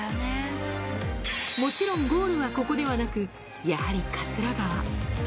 もちろんゴールはここではなく、やはり桂川。